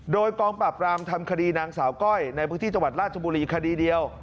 โดยกองปราบรามทำคดีนางสาวก้อยในพื้นที่จังหวัดราชบุรีคดีเดียว